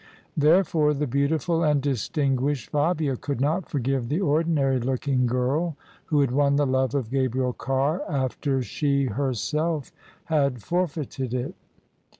There fore the beautiful and distinguished Fabia could not forgive the ordinary looking girl who had won the love of Gabriel Carr after she herself had forfeited it.